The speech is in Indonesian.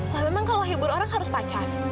nah memang kalau hibur orang harus pacar